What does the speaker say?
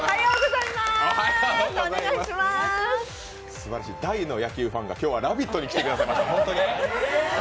すばらしい、大の野球ファンが今日は「ラヴィット！」に来てくれて。